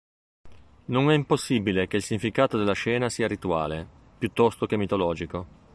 Non è impossibile che il significato della scena sia rituale, piuttosto che mitologico.